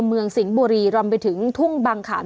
สิงห์บุรีรำไปถึงทุ่งบางขาม